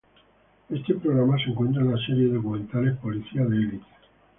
Este programa se encuentra en la serie de documentales; Policía de Elite.